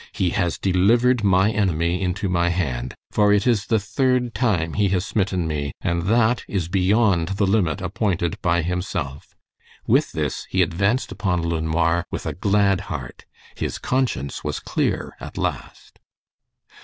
"He has delivered my enemy into my hand. For it is the third time he has smitten me, and that is beyond the limit appointed by Himself." With this he advanced upon LeNoir with a glad heart. His conscience was clear at last.